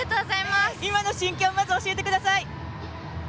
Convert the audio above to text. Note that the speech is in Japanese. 今の心境をまず教えてください。